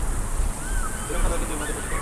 শ্রীলঙ্কা দলকে দুই মেয়াদে কোচিং করান।